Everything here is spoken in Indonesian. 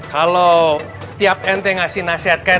kalau tiap ente ngasih nasihat kayak